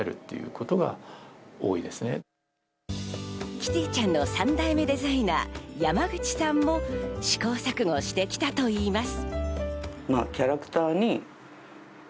キティちゃんの三代目デザイナー、山口さんも試行錯誤してきたといいます。